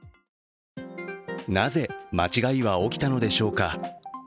なぜ、間違いは起きたのでしょうか。